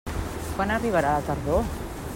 Quan arribarà la tardor?